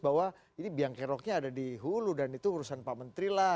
jadi biang keroknya ada di hulu dan itu urusan pak menteri lah